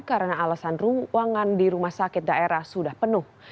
karena alasan ruangan di rumah sakit daerah sudah penuh